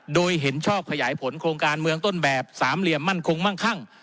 โดยเห็นชอบขยายผลโครงการเมืองต้นแบบสามเหลี่ยมมั่นคงมั่งคั่ง